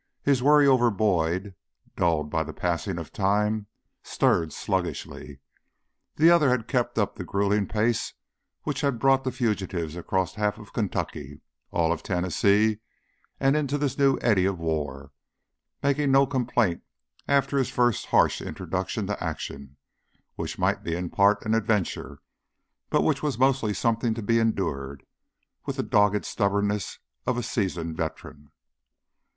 His worry over Boyd, dulled by the passing of time, stirred sluggishly. The other had kept up the grueling pace which had brought the fugitives across half of Kentucky, all of Tennessee, and into this new eddy of war, making no complaint after his first harsh introduction to action which might be in part an adventure, but which was mostly something to be endured with the dogged stubbornness of a seasoned veteran.